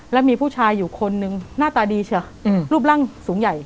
แล้วมีผู้ชายอยู่คนนึงหน้าตาดีเชียวรูปร่างสูงใหญ่